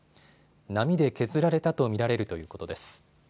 波で削られたと見られるということです。